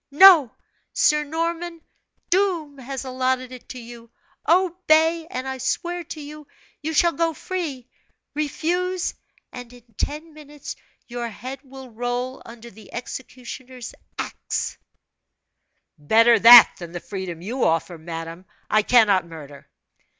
No, Sir Norman, Doom has allotted it to you obey, and I swear to you, you shall go free; refuse and in ten minutes your head will roll under the executioner's axe!" "Better that than the freedom you offer! Madame, I cannot murder!"